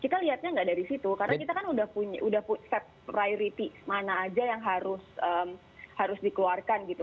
kita lihatnya nggak dari situ karena kita kan udah set priority mana aja yang harus dikeluarkan gitu